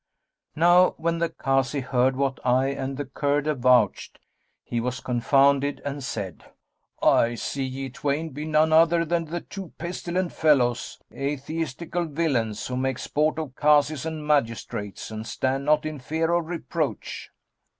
Now when the Kazi heard what I and the Kurd avouched, he was confounded and said, 'I see ye twain be none other than two pestilent fellows, atheistical villains who make sport of Kazis and magistrates and stand not in fear of reproach.